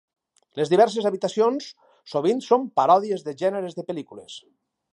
Les diverses habitacions sovint són paròdies de gèneres de pel·lícules.